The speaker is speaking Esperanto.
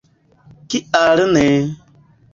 Kial ne!